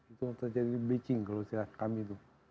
itu akan terjadi bleaching kalau kita lihat kami itu